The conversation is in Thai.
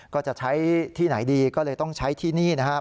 ก็จะใช้ที่ไหนดีก็เลยต้องใช้ที่นี่นะครับ